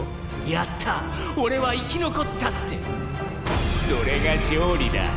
“やった俺は生き残った！”って」それが勝利だ。